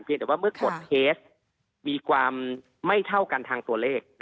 แต่ว่าเมื่อกฎเคสมีความไม่เท่ากันทางตัวเลข